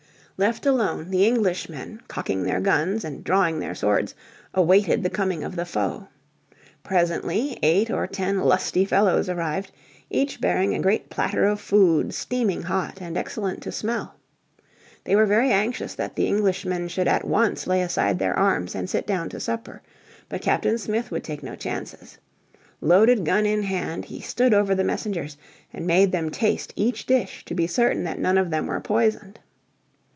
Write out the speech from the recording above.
Left alone, the Englishmen, cocking their guns and drawing their swords, awaited the coming of the foe. Presently eight or ten lusty fellows arrived, each bearing a great platter of food steaming hot and excellent to smell. They were very anxious that the Englishmen should at once lay aside their arms and sit down to supper. But Captain Smith would take no chances. Loaded gun in hand he stood over the messengers and made them taste each dish to be certain that none of them were poisoned.